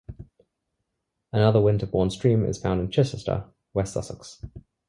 Another Winterbourne stream is found In Chichester, West Sussex.